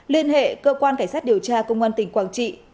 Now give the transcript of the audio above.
liên hệ cơ quan cảnh sát điều tra công an tỉnh quảng trị